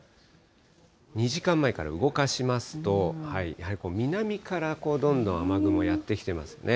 ２時間前から動かしますと、南からどんどん雨雲やって来ていますね。